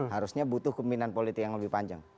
harusnya butuh keminan politik yang lebih panjang